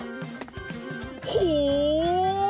ほう！